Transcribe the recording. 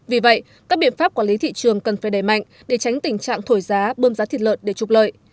vì vậy các biện pháp quản lý thị trường cần phải đẩy mạnh để tránh tình trạng thổi giá bơm giá thịt lợn để trục lợi